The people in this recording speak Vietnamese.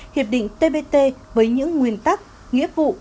hiệp định tbt với những nguyên tắc nghĩa vụ